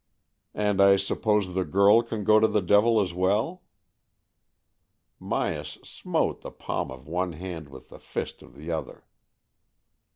"And I suppose the girl can go to the devil as well ?" Myas smote the palm of one hand with the fist of the other.